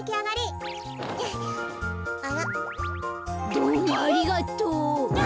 どうもありがとう。わ！